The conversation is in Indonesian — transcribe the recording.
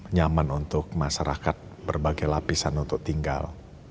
nyaman untuk masyarakat berbagai lapisan untuk tinggal